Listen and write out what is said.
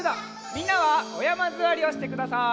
みんなはおやまずわりをしてください。